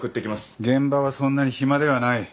現場はそんなに暇ではない。